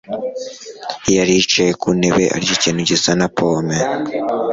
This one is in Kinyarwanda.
yari yicaye ku ntebe arya ikintu gisa na pome.